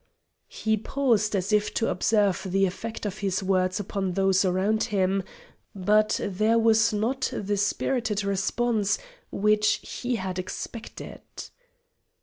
He paused as if to observe the effect of his words upon those around him, but there was not the spirited response which he had expected.